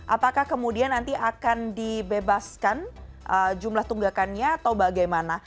apakah kemudian nanti akan dibebaskan jumlah tunggakannya atau bagaimana